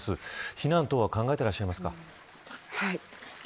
避難などは考えていらっしゃいますか。